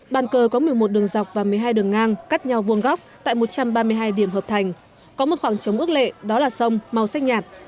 bàn cờ có một mươi một đường dọc và một mươi hai đường ngang cắt nhau vuông góc tại một trăm ba mươi hai điểm hợp thành có một khoảng trống ước lệ đó là sông màu xanh nhạt